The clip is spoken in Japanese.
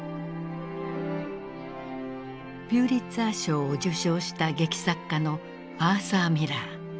ピューリッツァー賞を受賞した劇作家のアーサー・ミラー。